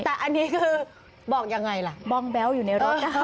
แต่อันนี้คือบอกยังไงล่ะบองแบ๊วอยู่ในรถนะคะ